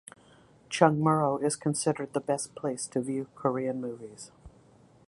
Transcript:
Chungmuro is considered the best place to view Korean movies.